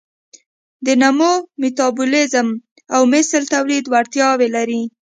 د نمو، میتابولیزم او مثل تولید وړتیاوې لري.